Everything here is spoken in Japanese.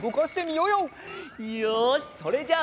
よしそれじゃあ